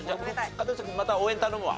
片寄君また応援頼むわ。